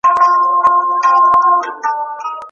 لوستل د فکر افق پراخوي او د پوهاوي کچه لوړوي.